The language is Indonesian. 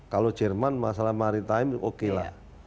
kalau jerman masalah maritime oke lah